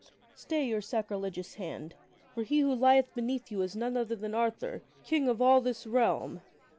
Stay your sac rilegious hand ! For he who lieth beneath you is none other than Arthur, King of all this realm